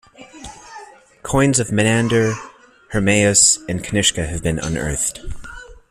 Coins of Manander, Hermaeous and Kanishka have been unearthed.